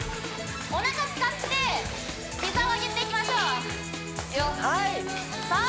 おなか使って膝を上げていきましょうはいさあ